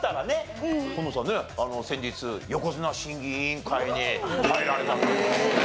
紺野さんね先日横綱審議委員会に入られたという事で。